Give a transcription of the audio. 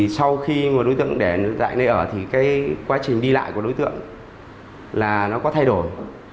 sau khi đối tượng để tại nơi ở quá trình đi lại của đối tượng có thay đổi